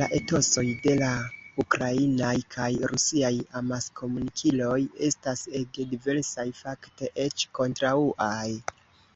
La etosoj de la ukrainaj kaj rusiaj amaskomunikiloj estas ege diversaj, fakte, eĉ kontraŭaj.